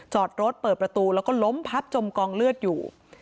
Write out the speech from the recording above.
จอดรถเปิดประตูแล้วก็ล้มพับจมกองเลือดอยู่